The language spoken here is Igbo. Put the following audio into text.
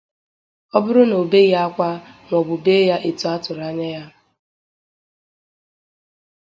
Ọ bụrụ na o beghị ákwá maọbụ bee ya etu a tụrụ anya